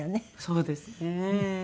そうですね。